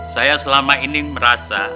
saya selama ini merasa